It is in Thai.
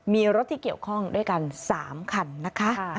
มีรถที่เกี่ยวข้องด้วยกัน๓คันนะคะ